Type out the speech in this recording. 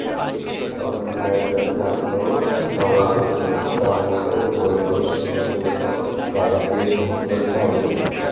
সন্তান মায়ের কাছে থাকলেও নাবালক সন্তানদের ভরণপোষণও বাবাকে বহন করতে হবে।